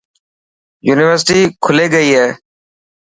يونيورسٽي کلي گئي هي.